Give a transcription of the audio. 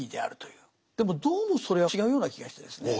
でもどうもそれは違うような気がしてですね。